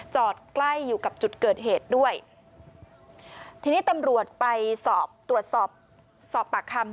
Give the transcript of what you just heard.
จอดใกล้อยู่กับจุดเกิดเหตุด้วยทีนี้ตำรวจไปสอบตรวจสอบสอบปากคำ